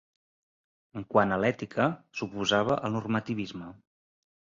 En quant a l'ètica, s'oposava al normativisme.